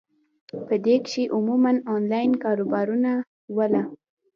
پۀ دې کښې عموماً انلائن کاروبارونو واله ،